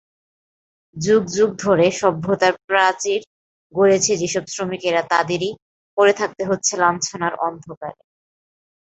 যুগ যুগ ধরে সভ্যতার প্রাচীর গড়েছে যেসব শ্রমিকেরা তাদেরকেই পড়ে থাকতে হচ্ছে লাঞ্ছনার অন্ধকারে।